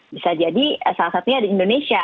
bisa jadi salah satunya di indonesia